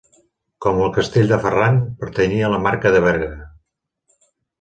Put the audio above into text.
Com el castell de Ferran, pertanyia a la marca de Berga.